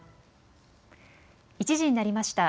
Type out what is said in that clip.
１時になりました。